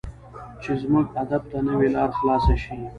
چې زموږ ادب ته نوې لار خلاصه شي.